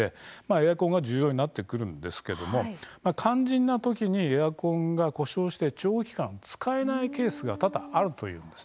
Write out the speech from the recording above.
エアコンが重要になってくるんですが肝心な時にエアコンが故障して長期間使えないケースも多々あるというんです。